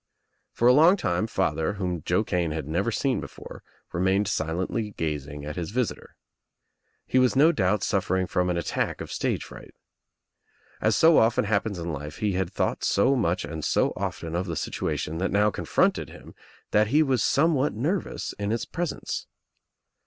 For a long time father, whom Joe Kane had never seen before, remained silently gazing at his visitor. He was no doubt suffering from an attack of stage fright. As so often happens in life he had thought so much and so often of the situation that now confronted him that he was somewhat nervous In its presence.